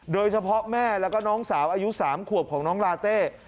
โดยเฉพาะแม่และน้องสาวอายุ๓ขวบของน้องลาเต้